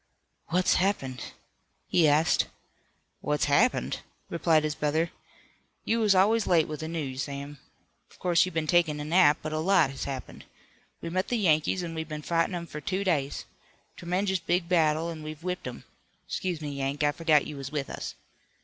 "What's happened?" he asked. "What's happened?" replied his brother. "You was always late with the news, Sam. Of course you've been takin' a nap, but a lot has happened. We met the Yankees an' we've been fightin' 'em for two days. Tremenjous big battle, an' we've whipped 'em. 'Scuse me, Yank, I forgot you was with us.